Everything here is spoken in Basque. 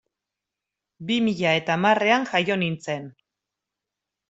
Bi mila eta hamarrean jaio nintzen.